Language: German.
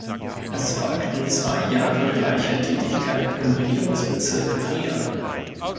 Es folgten zwei Jahre gleicher Tätigkeit im Regierungsbezirk Trier.